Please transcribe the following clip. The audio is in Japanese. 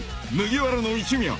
［麦わらの一味は］